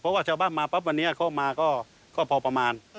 เพราะว่าชาวบ้านมาปั๊บวันนี้เข้ามาก็พอประมาณ